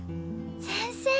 先生。